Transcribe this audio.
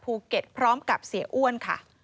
ภูเก็ตพร้อมกับเสียอ้วนค่ะ